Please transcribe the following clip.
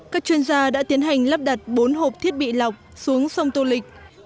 các chuyên gia đã tiến hành lắp đặt bốn hộp thiết bị lọc xuống sông tô lịch